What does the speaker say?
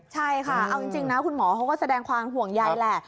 ใช่ค่ะเอาจริงนะคุณหมอเขาก็แสดงความห่วงใยแหละ